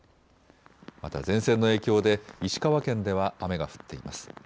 また前線の影響で石川県では雨が降っています。